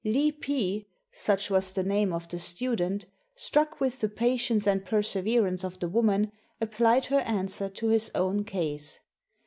Li pi, — such was the name of the student, — struck with the patience and perse verance of the woman, applied her answer to his own case.